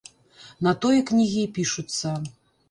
На тое кнігі і пішуцца.